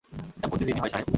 এটা প্রতিদিন হয়, সাহেব।